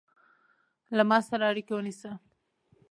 له ما سره اړیکه ونیسه